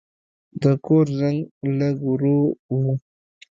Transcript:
د کور زنګ لږ ورو و.